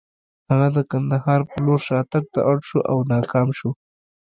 هغه د کندهار په لور شاتګ ته اړ شو او ناکام شو.